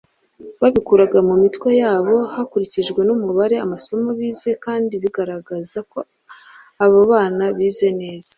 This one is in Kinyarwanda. Babikuraga mu mitwe yabo hakurikijwe n’umubare amasomo bize kandi biragaragaza ko abo bana bize neza.